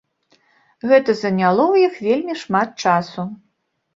Гэта заняло ў іх вельмі шмат часу.